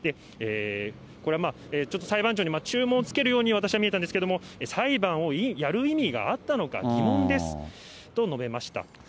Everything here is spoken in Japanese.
これは、ちょっと裁判長に注文をつけるように私は見えたんですけれども、裁判をやる意味があったのか疑問ですと述べました。